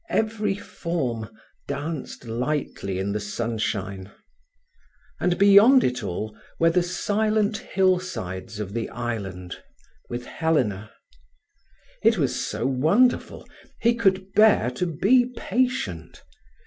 Every form danced lightly in the sunshine. And beyond it all were the silent hillsides of the island, with Helena. It was so wonderful, he could bear to be patient.